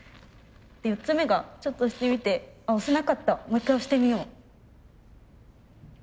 で４つ目がちょっと押してみてあ押せなかったもう一回押してみよう。